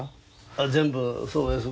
あ全部そうです。